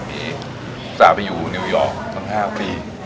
สามารถไปอยู่นิวยอร์กสัก๕ปี